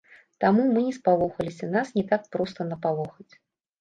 Таму, мы не спалохаліся, нас не так проста напалохаць.